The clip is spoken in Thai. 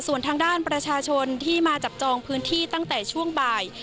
ส่วนทางด้านประชาชนที่มาจับจองพื้นที่ตั้งแต่ช่วงบ่าย